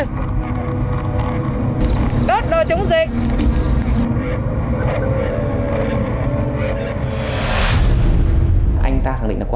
mình không xâm phạm